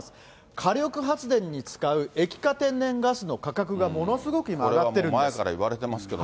火力発電に使う液化天然ガスの価格がものすごく今、上がってるん前からいわれてますけど。